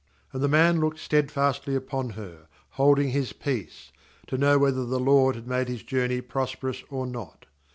aAna the man looked sted fastly on her; holding his peace, to know whether the LORD had made his journey prosperous or not.